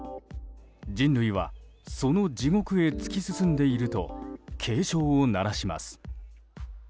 人類はその地獄へ突き進んでいると警鐘を鳴らします。